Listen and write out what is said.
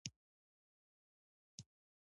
زده کړه د غربت په کمولو کې مرسته کوي.